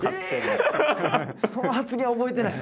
その発言覚えてない？